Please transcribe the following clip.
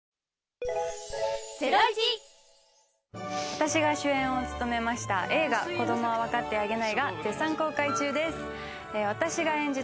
私が主演を務めました映画『子供はわかってあげない』が絶賛公開中です。